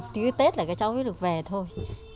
từ tết là các cháu mới được về thôi